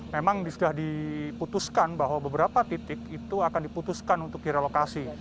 memang sudah diputuskan bahwa beberapa titik itu akan diputuskan untuk direlokasi